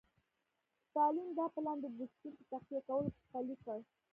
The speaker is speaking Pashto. ستالین دا پلان د ګوسپلن په تقویه کولو پلی کړ